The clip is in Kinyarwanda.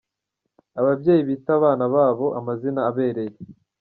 Ababyeyi bita abana babo amazina abereye.